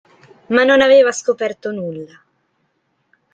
Ma non aveva scoperto nulla.